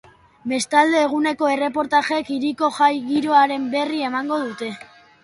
Bestalde, eguneko erreportajeek hiriko jai-giroaren berri emango dute.